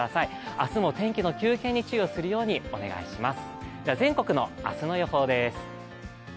明日も天気の急変に注意をするようにお願いします。